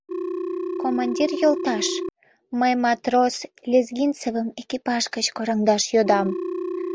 — Командир йолташ, мый матрос Лезгинцевым экипаж гыч кораҥдаш йодам.